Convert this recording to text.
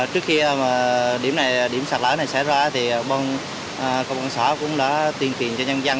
trước khi điểm sạt lở này xảy ra công an xã cũng đã tiên kiện cho nhân dân